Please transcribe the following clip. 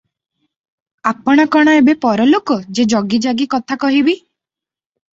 ଆପଣ କଣ ଏବେ ପରଲୋକ ଯେ ଜଗିଜାଗି କଥା କହିବି?